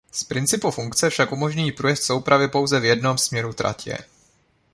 Z principu funkce však umožňují průjezd soupravy pouze v jednom směru tratě.